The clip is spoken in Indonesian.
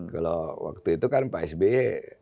kalau waktu itu kan pak sby